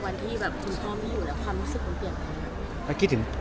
วันที่แบบคุณพ่อไม่อยู่แล้วความรู้สึกมันเปลี่ยนไปไหม